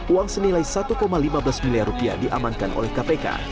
uang senilai satu lima belas miliar rupiah diamankan oleh kpk